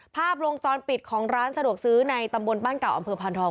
ภาพวงจรปิดของร้านสะดวกซื้อในตำบลบ้านเก่าอำเภอพานทอง